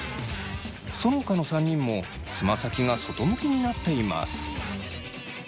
そのほかの３人もつま先が外向きになっています。